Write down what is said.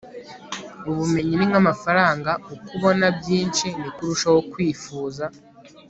ubumenyi ni nk'amafaranga uko abona byinshi, niko arushaho kwifuza